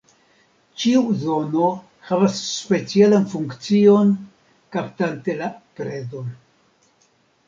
Ĉiu zono havas specialan funkcion kaptante la predon.